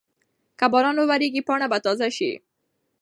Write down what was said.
که باران وورېږي پاڼه به تازه شي.